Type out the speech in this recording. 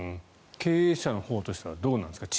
経営者のほうとしてはどうなんですか？